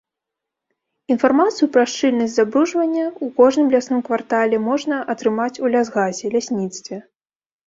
Інфармацыю пра шчыльнасць забруджвання ў кожным лясным квартале можна атрымаць у лясгасе, лясніцтве.